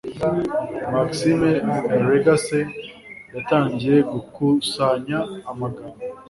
Maxime Lagacé yatangiye gukusanya amagambo